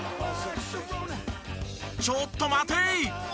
ちょっと待てい！